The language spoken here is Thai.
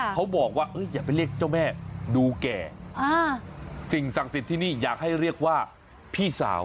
เขาบอกว่าอย่าไปเรียกเจ้าแม่ดูแก่สิ่งศักดิ์สิทธิ์ที่นี่อยากให้เรียกว่าพี่สาว